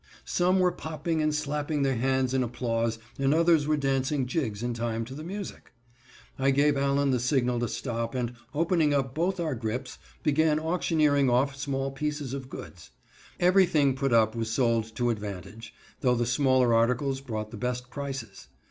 Some were popping and slapping their hands in applause, and others were dancing jigs in time to the music. I gave Allen the signal to stop and, opening up both our grips, began auctioneering off small pieces of goods. Every thing put up was sold to advantage, though the smaller articles brought the best prices.